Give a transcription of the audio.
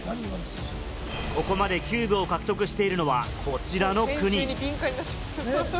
ここまでキューブを獲得しているのはこちらの９人。